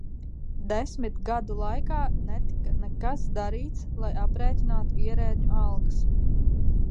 Desmit gadu laikā netika nekas darīts, lai aprēķinātu ierēdņu algas.